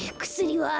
はあ。